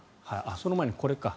その前にこれか。